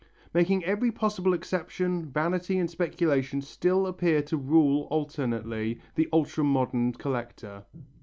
Making every possible exception, vanity and speculation still appear to rule alternately the ultra modern collector.